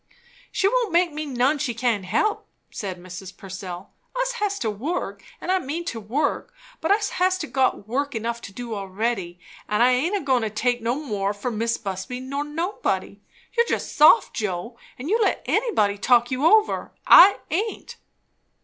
"She won't make me none she can't help," said Mrs. Purcell. "Us has to work, and I mean to work; but us has got work enough to do already, and I aint a goin' to take no more, for Mis' Busby nor nobody. You're just soft, Joe, and you let anybody talk you over. I aint."